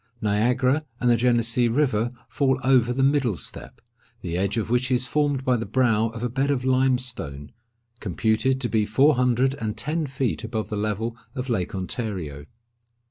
Niagara and the Genessee river fall over the middle step, the edge of which is formed by the brow of a bed of limestone, computed to be four hundred and ten feet above the level of Lake Ontario.